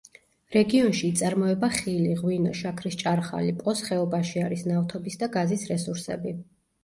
რეგიონში იწარმოება ხილი, ღვინო, შაქრის ჭარხალი, პოს ხეობაში არის ნავთობის და გაზის რესურსები.